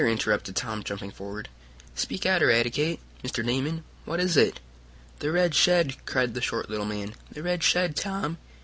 interrupted Tom, jumping forward. "Speak out! Eradicate! Mr. Damon, what is it?" "The red shed!" cried the short little man. "The red shed, Tom!"